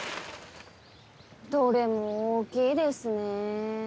どれも大きいですね。